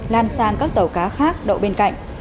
lan sang các tàu cá khác đậu bên cạnh